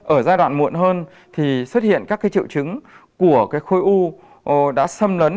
ở giai đoạn muộn hơn thì xuất hiện các triệu chứng của khối u đã xâm lấn